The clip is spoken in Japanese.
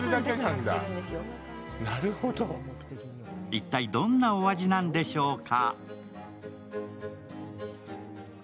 一体どんなお味なんでしょうか。